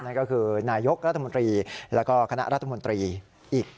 นั่นก็คือนายกรัฐมนตรีแล้วก็คณะรัฐมนตรีอีก